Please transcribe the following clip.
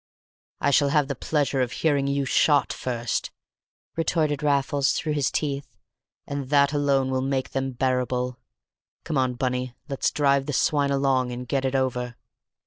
"I shall have the pleasure of hearing you shot first," retorted Raffles, through his teeth, "and that alone will make them bearable. Come on, Bunny, let's drive the swine along and get it over."